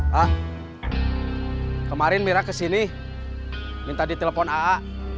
ah kemarin mira kesini minta ditelepon aa